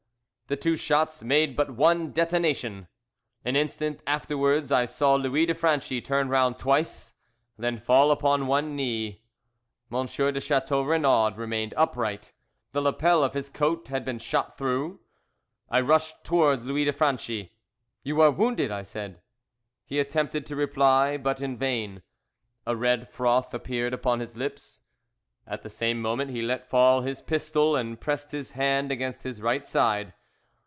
The two shots made but one detonation. An instant afterwards I saw Louis de Franchi turn round twice and then fall upon one knee. M. de Chateau Renaud remained upright. The lappel of his coat had been shot through. I rushed towards Louis de Franchi. "You are wounded?" I said. He attempted to reply, but in vain. A red froth appeared upon his lips. At the same moment he let fall his pistol, and pressed his hand against his right side.